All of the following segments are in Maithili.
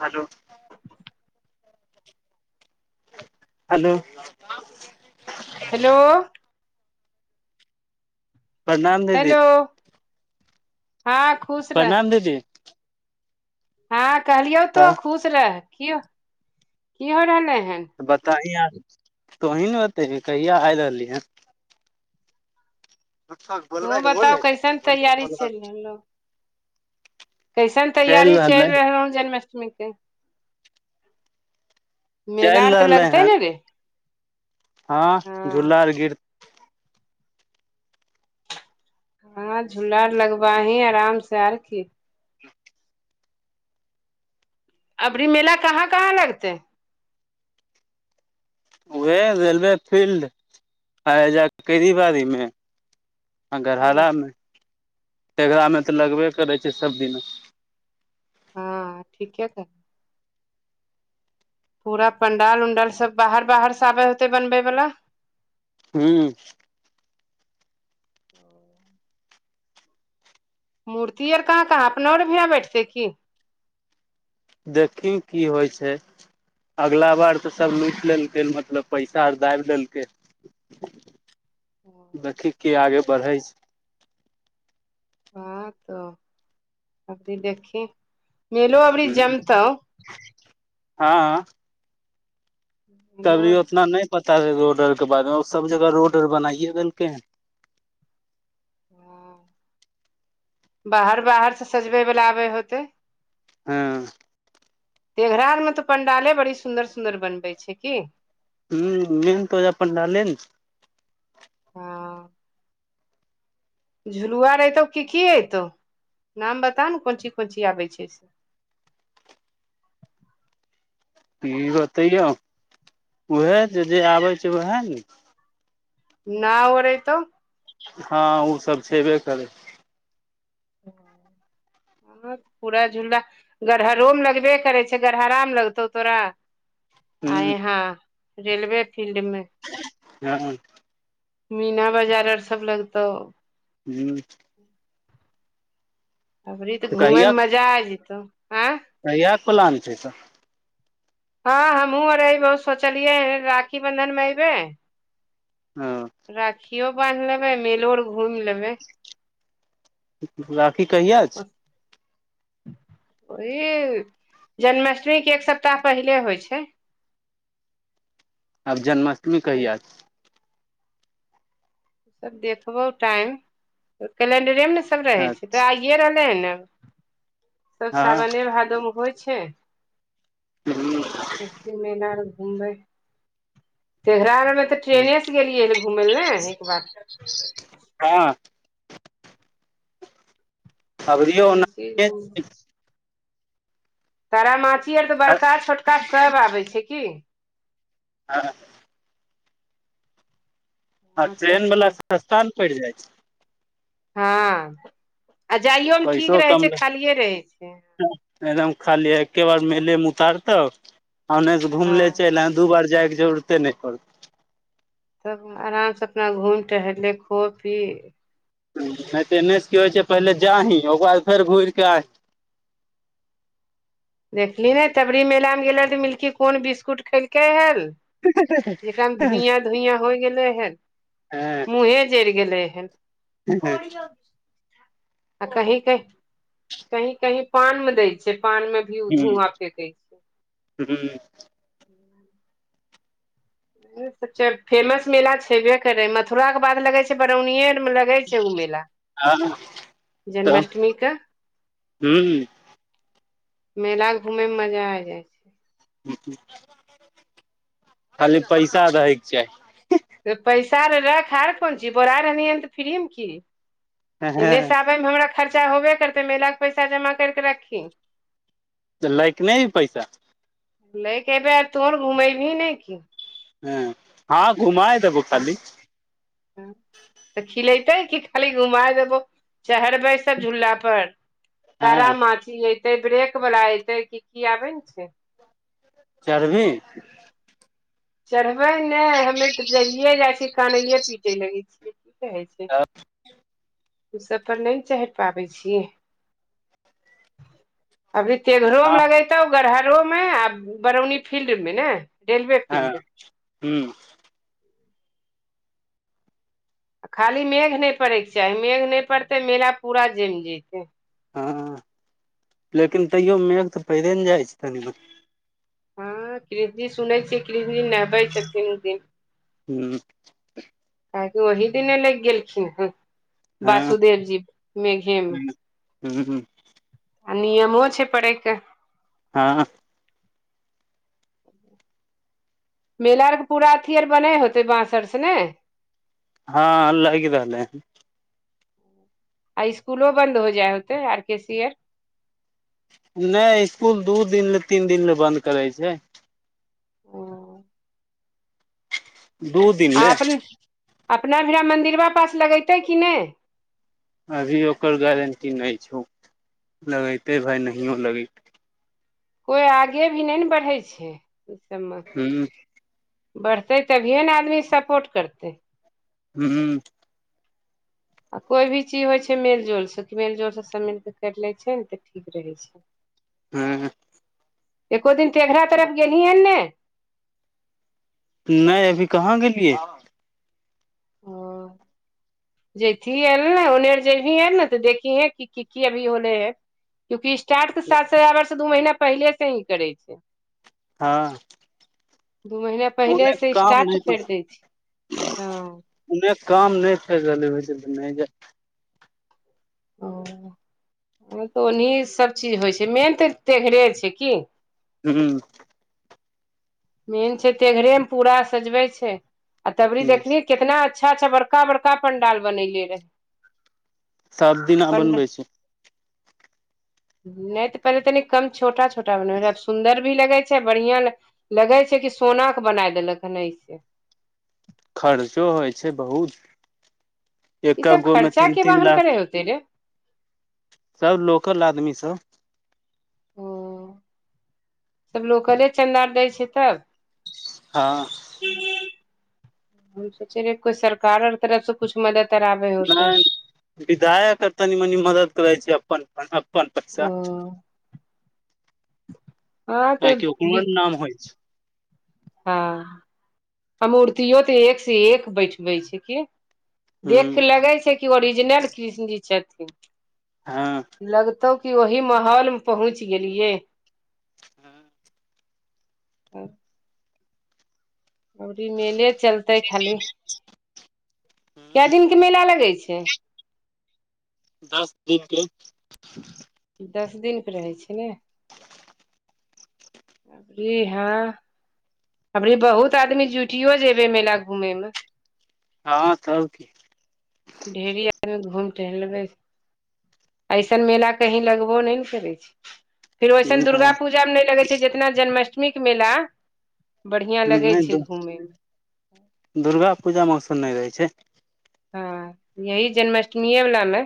हेलो हेलो हेलो प्रणाम दीदी हेलो हँ खुश रह प्रणाम दीदी। हँ, कहलियौ तऽ खुश रहै कऽ की हो रहलै हन। बताह, आ तोहीं ने बता, कहिया आइ रहलही हऽ? तो बताओ, कैसन तैयारी चलि रहल अछि लोकसभक? कैसन तैयारी चलि रहल अछि जन्माष्टमीके? मेला चलि आर तऽ रहलै लगतै हन ने रे? हँ झूला आर गिर। हँ, झूला लगबैमे आरामसँ, ओर की? अबरी मेला कहाँ कहाँ लगतै? ओ रेलवे फील्ड आज बाड़ीमे। आ हूँ घररामे टेघरामे तऽ लगबे करै छै, सभ दिन। हँ ठीके क पूरा पंडाल उंडाल सभ बाहरसँ आबि कऽ बनबैवाला होइत छै। हू मूर्ति आओर कहाँ कहाँ अबऽ आर भऽ बैठतै की? देखी, की होइ छै। अगिला बेर तऽ सभ लूटि लेलकै, मतलब पैसा आ दाबी लेलकै। देखी, के आगाँ बढ़ै छै। हँ, तऽ अभी देखी। मेलो अबरी जमतौ। अबरी मेलो ओतना नहि पता रहै रोड आओरके बारेमे, सभ जगह रोड आओर बनाइए देलकै हऽन। बाहर बाहर से सजबै बला आबे होतै? हाँ तेघरामे तऽ पंडाल बड़ सुन्दर सुन्दर बनबै छै की? हँ, मेहनतो जे अपन रहल ने। हाँ झुलुआर तऽ की की ऐतऽ? नाम बताउ ने, कोन कोन चीज आबै छै से। ई बतैयौ उह जे जे आबै छै ओएह ने नहि, ओरै तऽ। हाँ ओ सब छेबे करै [unintelligible] हँ, पूरा झूला। गरहरोमे लगबे करै छै गरहरामे लगतौ तोरा हूँ आय हँ रेलवे फील्ड मे हँ मीना बजार आओर सभ लगतौ। हूं अबरी तऽ घूमय मे मजा आइ जेतौ आँय तहिय कोलान छै तऽ हँ हमहूँ आर एबहु सोचलियै राखी बंधन मे एऐबे हँ राखियो बान्ह लेबै मेलो आर घूमि लेबै राखी कहिया ओह जन्माष्टमी के एक सप्ताह पहिले होइ छै आब जन्माष्टमी कहिआ सब देखबौ टाइम कैलेंडरे मे ने सब रहै हँ छै तऽ आ ए रहलै ह ने सब हँ सावने भादोमे होइ छै अस्सी मना घुमबै तेघराारमे तऽ ट्रेने से गेलियै ह घूमय ल एक बार हँ अभरियौना कोसी घूम तारामाची आर तऽ आ बड़का छोटका सभ आबै छै की हँ आ हँ तब ट्रेन वला की स्थान पड़ जाइ छै हँ आ जाइयोमे ठीक पैसो रहै कम छै लग खालिए रहै छै एकदम खाली एके बार म मुतार तऽ अने घुमले हँ चलि आ दू बार जाइके जरुरते नहि पड़तै तब आरामसँ अपना घुमि टहल ले खो पी नहि तऽ एन्ने से क होइ छै पहिले जाीं ओकर बाद फेर घुरिके आइ देखली ने तबरी मेलामे गेलक तऽ मिलकी कोन बिस्कुट खेलकै हल जेकरामे आही धुइया धुइया होइ गेलै हन हँ मुँहे जरि गेलै हन हँ हँ आ कही कह कहीं कहीं पान में दय छै पान में भी ओ धुआं फेेक छै हू ह फेमस मेला छेबे करै मथुरा के बाद लगे छै बरौनिये मतल मी तब हूँ मेला के घूमेय मे मजा आ जाय छै खाली पैसा रहैके चाही पैसा रखा कोन चीज बोरा रहलन तऽ फ्रीमे की चाही एन्नेसँ आबनमे हमरा खर्चा होबे करतै महिलाके पैसा जमा करि कऽ रखी तऽ लैके नहि हे पैसा लै आ तोहर घुमैबी ही नहि कि हँ हँ घुमा देबू खाली तऽ खिलेैते कि खाली घुमा देबो चढ़ बैस सब झूला पर तारा हँ माछी एतै ब्रेक वला एतै कि की आबे ने छै चार भी चढ़बै ने हमे तऽ जइए जाइ छियै खनैए पीटै लगै छियै की कहै छै तब ओ सब पर नहि ने चहर पाबै छियै अभी तेघरो में हँ लगेतौ गरहरो में आ बरौनी फील्ड में ने रेलवे हँ कनदेब हूँ खाली मेघ नहि पड़ैके चाही मेघ नहि पड़तै मेला पूरा जमि जतै हँ लेकिन तैयो मेघ तऽ पहिरे ने जाइ छै तनि म हँ कृष्णजी सुनै छियै कृष्णजी नहबै छथिन दिन हूँ काहेकि ओहि दिने लागि गेलखिन हँ हँ वासुदेव जी मेघे मे हूँ आ नियमो छै पड़यके हँ ह मेला आरके पूरा अथी आर बनै होतै बाँस आर से ने हँ लएके ले आ स्कुलो बन्द हो जाय होते आर के सी आर नहि इसकुल दू दिन ले तीन दिन ले बंन्द करै छै ओ दू दिन आ ले अप अपना भिड़ा मन्दिरबा पास लगेतै कि नहि अभी ओकर गारंटी नहि छौ लगेते भााय नहियो लगेते कोइ आगे भी नहि ने बढ़ै छै ओ सभमे ह बढ़तै तभियए ने आदमी सपोर्ट करतै हू हू आ कोई भी चीज होइ छै मेल जोल से मेल जोल से सब मिलके करि ले छै ने तऽ ठीक रहै छै हूँ एको दिन तेघड़ा तरफ गेली हन ने नहि अभी कहाँ गेलियै ओ जथीए आल ने उने आर जबही आल ने तऽ देखी हैं क की की अभी होले हैं क्यूकि स्टार्ट तऽ सात हजार वर्ष दू महीना पहिले से ही करै छै हँ दू महीना ओन्ने पहिलेसँ काम स्टार्ट नहि करि दै छै हँ ओन्ने काम नहि छै हो नहि ओ तऽ ओनाहि सभचीज होइ छै मेन तऽ टेघरे छै की हू मेन छै तेघरे मे पूरा सजबै छै आ तबरी ह देखली कितना अच्छा अच्छा बड़का बड़का पंडाल बनेलले रहे सात दिना बन बैसे नहि तऽ पहिले तनि कम छोटा छोटा बनबै रहै आब सुन्दर भी लगै छै बढ़ियां लगे छै कि सोन के बना देलक हन ऐसे खर्चो होइ छै बहुत ई एकक सब गो में खर्चा तीन के तीन बाहन लाख करे होते रे सब लोकल आदमी सब सब लोकले चन्दा र दै छै तब हँ हम सोचे रह कोइ सरकार तरफ से कछु मदद आबे होते नहि विधायक करतानि मनी मदद करै छै अपन अपनन ओ पैसा हँ न तऽ की बि ओकर नाम होइ हँ आ मूर्तो तऽ एक से एक बैठबे छै क देख छै कऽ लगै छै कि ओरिजिनल कृष्णजी छथिन हँ लगतौ की ओही महौल मे पहुँच गेलियै हँ अर ई मेले चलतै खाली कए दिनके मेला लगै छै दस दिन के दस दिनके रहै छै ने अरी हँ अरी बहुत आदमी जुठियो जेबे मेला घूमे मे हँ त कि ढेरी आदमी घूम टहर लेबै ऐसन मेला कहीं लगबो नहि ने करै छै फेर ओइसन दुर्गा पूजामे नहि लगै छै जितना जन्माष्टमी मेला बढ़ियां लगै नहि छै द घूमे मे दुर्गा पूजामे ओसन नहि रहै छै हँ यही जन्माष्टमीएवलामे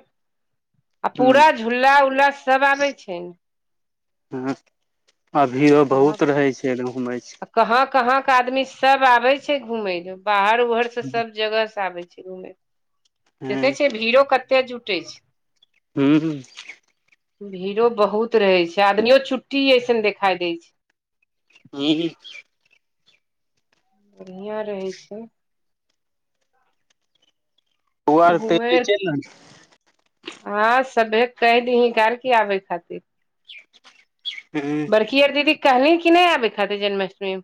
आ पूरा झूला उला सभ आबै छै ने अं अभियो बहुत रहै छै एकदम हुमैच क कहँ-कहँ के आदमी सभ आबै छै घूमे लेल बाहर ऊहर। सब जगह से आबे छै घूमे ह देखे छ भीड़ो कते जुटे छै हूँ हूँ भीड़ो बहुत रहे छै आदमियो छुट्टी अऐसन देखाई देै छै हँ बढ़िआँ रहै छै ओर त घूमे चल ने हँ सबे कहि दी ह की आबे खातिर हूं रेखिए दीदी कहली कि नय आबै खातिर जन्माष्टमी मे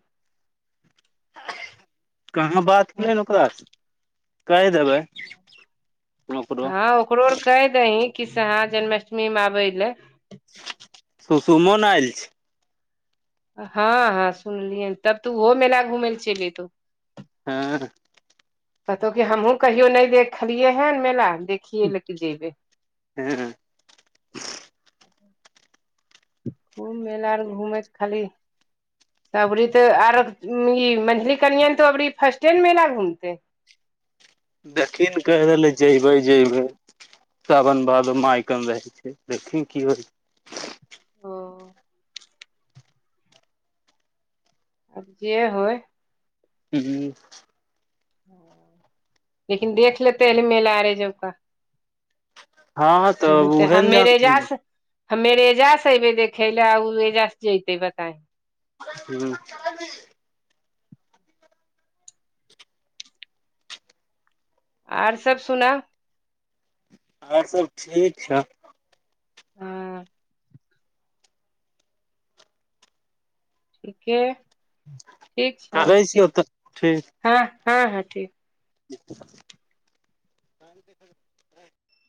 कहाँ बात में? कै ओकासँ कहि देबै ओकरो हाँ ओकरो आर कहि दही कि सेहाँ जन्माष्टमी मे आबै लए सुसुमन आयल छै हँ हँ सुनलियै तब तऽ ओहो मेला घुम लए चलि एयतौ हूँ कतौ की हमहुँ कहियो नहि देखलियै हे मेला देखियए लेके जेबे जी ह [inaudible] खूब मेला आर घूमै खाली त अबरी तऽ आर ई मछली कनिय तो अबरी फर्स्टे ने मेला घूमते देखी ने कहि रहलै जबै जेबै सावन बादो मायकन रहै छै देखी की होइ छै ओ आब जे होय। हू लेकिन देख लेतै हल मेल आ रहै जबा हँ ह तऽ उहे ने हमर जानथिन एजाज हमेर एऐजा से एबै देखे लए ओ अऐजा जते बता ह्म आर सब सुनाउ और सब ठीक छै हँ ठीके ठीक छौ करै छियौ तऽ हँ हँ हँ ठीक [inaudible] पाईन देख क